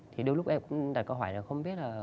thì đôi lúc em cũng đặt câu hỏi là không biết là